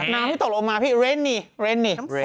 น้ำที่ตกลงมาเรนนี่